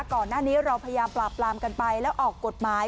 ก่อนหน้านี้เราพยายามปราบปรามกันไปแล้วออกกฎหมาย